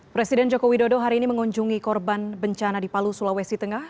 presiden joko widodo hari ini mengunjungi korban bencana di palu sulawesi tengah